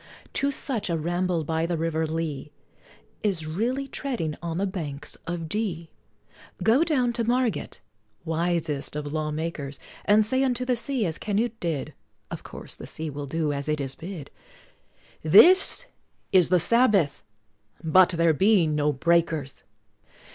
To such, a ramble by the River Lea Is really treading on the "Banks of D ." Go down to Margate, wisest of law makers, And say unto the sea, as Canute did, (Of course the sea will do as it is bid,) "This is the Sabbath but there be no Breakers!"